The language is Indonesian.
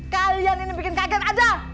kalian ini bikin kaget aja